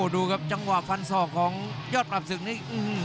ดูครับจังหวะฟันศอกของยอดปรับศึกนี่